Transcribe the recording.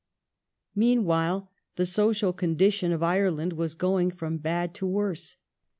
Meanwhile the social condition of Ireland was going from bad to worse.